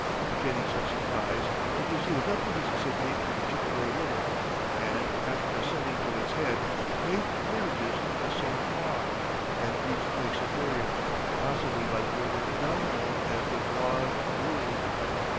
Obtaining such supplies, he proceeded up the Mississippi to the Chippeway River, and, after ascending to its head, made portages to the St. Croix, and reached Lake Superior, possibly by the river now known as the Bois Brule.